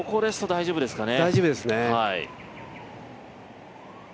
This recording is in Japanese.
大丈夫ですね。